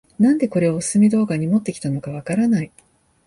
なんでこれをオススメ動画に持ってきたのかわからない